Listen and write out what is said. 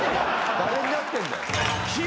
誰になってんだよ。